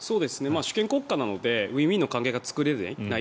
主権国家ですのでウィンウィンの関係が作れない